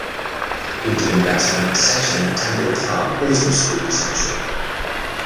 Indian batsman Sachin Tendulkar also scored a century.